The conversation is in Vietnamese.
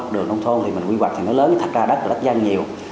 đường nông thôn mình quy hoạch lớn thạch ra đất đất dân nhiều